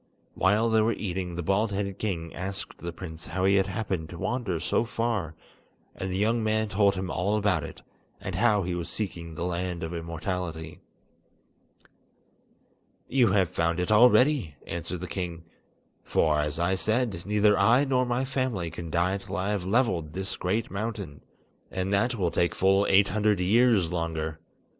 While they were eating, the bald headed king asked the prince how he had happened to wander so far, and the young man told him all about it, and how he was seeking the Land of Immortality. "You have found it already," answered the king, "for, as I said, neither I nor my family can die till I have levelled this great mountain; and that will take full eight hundred years longer.